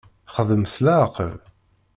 Xdem s leɛqel.